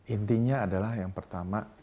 intinya adalah yang pertama